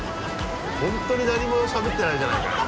本当に何もしゃべってないじゃないかよ！